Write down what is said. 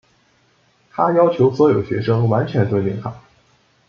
她要求所有学生完全尊敬她。